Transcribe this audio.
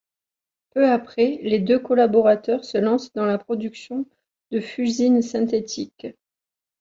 Peu après, les deux collaborateurs se lancent dans la production de fuchsine synthétique.